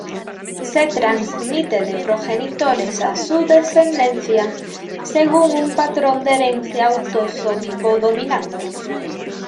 Se transmite de progenitores a su descendencia según un patrón de herencia autosómico dominante.